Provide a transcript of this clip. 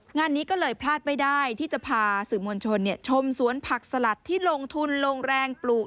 งานนี้ก็เลยพลาดไม่ได้ที่จะพาสื่อมวลชนชมสวนผักสลัดที่ลงทุนลงแรงปลูก